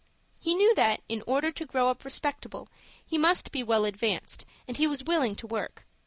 He knew that, in order to grow up respectable, he must be well advanced, and he was willing to work.